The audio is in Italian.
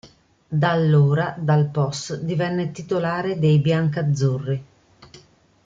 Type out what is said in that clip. Da allora Dal Pos divenne titolare dei biancazzurri.